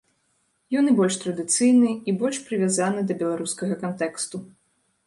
Ён і больш традыцыйны і больш прывязаны да беларускага кантэксту.